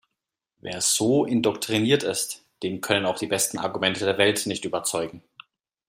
Wer so indoktriniert ist, den können auch die besten Argumente der Welt nicht überzeugen.